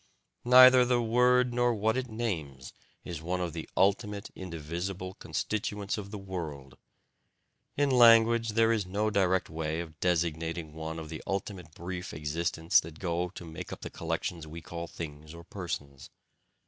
Neither the word nor what it names is one of the ultimate indivisible constituents of the world. In language there is no direct way of designating one of the ultimate brief existents that go to make up the collections we call things or persons.